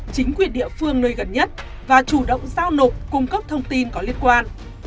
chính quyền địa phương nơi gần nhất và chủ động giao nộp cung cấp thông tin có liên quan